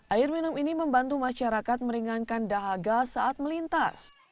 air minum ini membantu masyarakat meringankan dahaga saat melintas